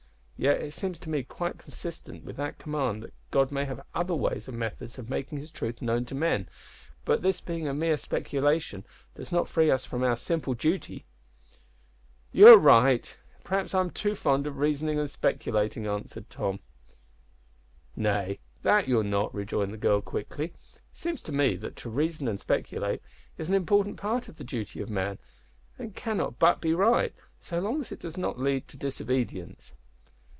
Yet it seems to me quite consistent with that command that God may have other ways and methods of making His truth known to men, but this being a mere speculation does not free us from our simple duty." "You are right. Perhaps I am too fond of reasoning and speculating," answered Tom. "Nay, that you are not" rejoined the girl, quickly; "it seems to me that to reason and speculate is an important part of the duty of man, and cannot but be right, so long as it does not lead to disobedience.